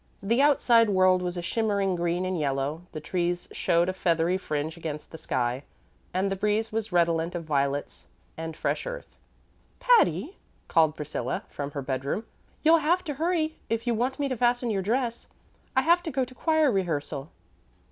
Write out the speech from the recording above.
The outside world was a shimmering green and yellow, the trees showed a feathery fringe against the sky, and the breeze was redolent of violets and fresh earth. "Patty," called Priscilla, from her bedroom, "you'll have to hurry if you want me to fasten your dress. I have to go to choir rehearsal."